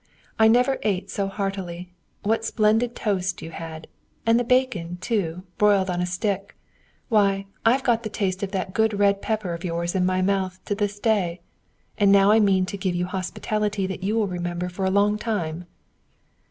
I never ate so heartily. What splendid toast you had! And the bacon, too, broiled on a stick! Why, I've got the taste of that good red pepper of yours in my mouth to this day! And now I mean to give you hospitality that you will remember for a long time!"